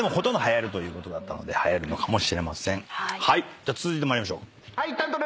じゃあ続いて参りましょう。